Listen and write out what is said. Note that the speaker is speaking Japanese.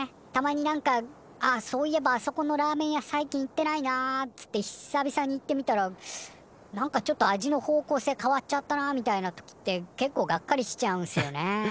たまに何か「あっそういえばあそこのラーメン屋最近行ってないな」つって久々に行ってみたら何かちょっと味の方向性変わっちゃったなみたいな時って結構がっかりしちゃうんすよね。